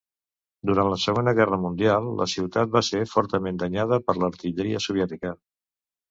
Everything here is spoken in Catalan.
Durant la Segona Guerra Mundial la ciutat va ser fortament danyada per l'artilleria soviètica.